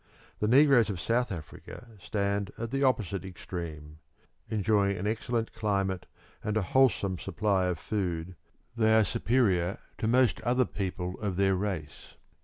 The negroes of South Africa stand at the opposite extreme. Enjoying an excellent climate and a wholesome supply of food, they are superior to most other people of their race.